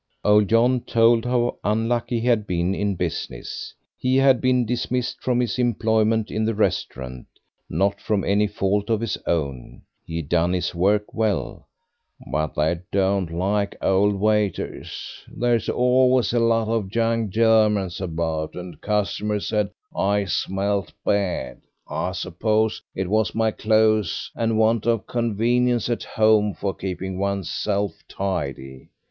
Old John told how unlucky he had been in business. He had been dismissed from his employment in the restaurant, not from any fault of his own, he had done his work well. "But they don't like old waiters; there's always a lot of young Germans about, and customers said I smelt bad. I suppose it was my clothes and want of convenience at home for keeping one's self tidy.